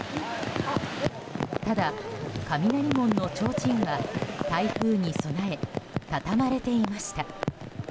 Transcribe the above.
ただ、雷門のちょうちんは台風に備え畳まれていました。